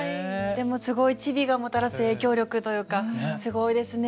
でもすごいちびがもたらす影響力というかすごいですね。